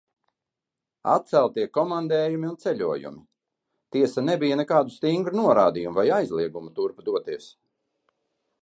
Atceltie komandējumi un ceļojumi. Tiesa, nebija nekādu stingru norādījumu vai aizliegumu turp doties.